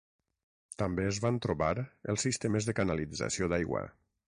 També es van trobar els sistemes de canalització d'aigua.